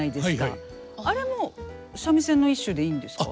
あれも三味線の一種でいいんですか？